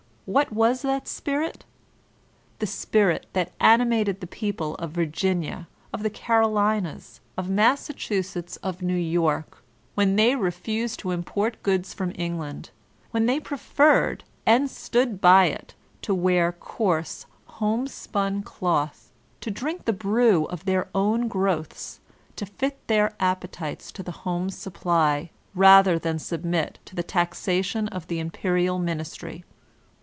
What was that spirit? The spirit that animated the people of ^^rginsa, of the Girolinas, of Massachusetts, of New Yotkt when they refused to import goods from Eng land; when they preferred (and stood by it) to wear coarse homespun cloth, to drink the brew of their own growths^ to fit their appetites to the home supply, rather 128 VOLTAIRINE DB ClEYRB than submit to the taxation of the imperial ministry.